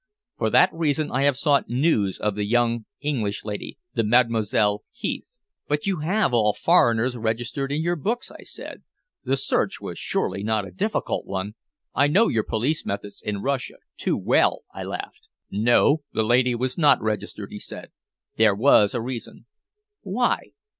For that reason I had sought news of the young English lady the Mademoiselle Heath." "But you have all foreigners registered in your books," I said. "The search was surely not a difficult one. I know your police methods in Russia too well," I laughed. "No, the lady was not registered," he said. "There was a reason." "Why?"